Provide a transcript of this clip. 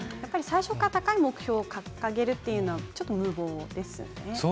最初から高い目標を掲げるというのは、無謀なんですね。